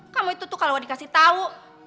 kamu itu tuh kalau dikasih tahu